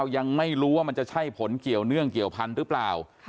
ยังไม่รู้ว่ามันจะใช่ผลเกี่ยวเนื่องเกี่ยวพันธุ์หรือเปล่า